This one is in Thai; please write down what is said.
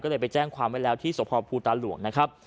ก็เลยไปแจ้งความไว้แล้วที่สภภูตาหลวงนะครับ